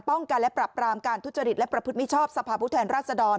กันและปรับปรามการทุจริตและประพฤติมิชชอบสภาพผู้แทนราชดร